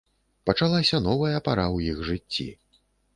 Пачалася новая пара ў іх жыцці.